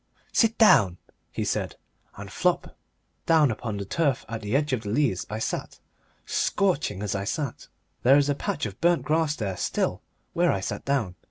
"Sit down," he said, and flop, down upon the turf at the edge of the Leas I sat scorching as I sat. There is a patch of burnt grass there still where I sat down.